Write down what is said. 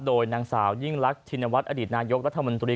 โดยนางสาวยิ่งรักชินวัฒนอดีตนายกรัฐมนตรี